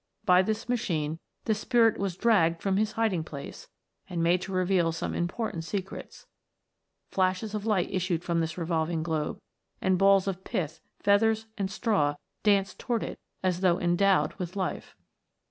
By this machine the Spirit was dragged from his hiding place, and made to reveal some im portant secrets. Flashes of light issued from this revolving globe, and balls of pith, feathers, and straw danced towards it as though endowed with life.